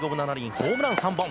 ホームラン３番。